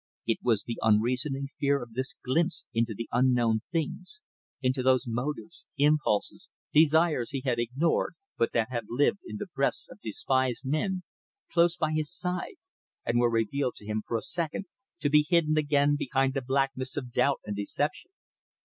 It was the unreasoning fear of this glimpse into the unknown things, into those motives, impulses, desires he had ignored, but that had lived in the breasts of despised men, close by his side, and were revealed to him for a second, to be hidden again behind the black mists of doubt and deception.